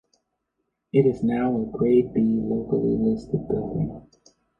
It is now a Grade B locally listed building.